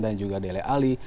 dan juga dele alli